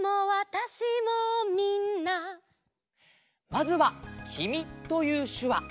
まずは「きみ」というしゅわ。